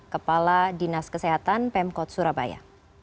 kepala dinas kesehatan pemkot surabaya